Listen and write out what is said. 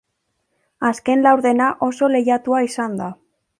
Azken laurdena oso lehiatua izan da.